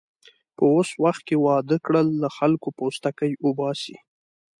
په اوس وخت کې واده کړل، له خلکو پوستکی اوباسي.